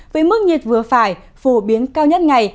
với mức nhiệt vừa phải phổ biến cao nhất ngày